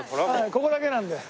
ここだけなんで。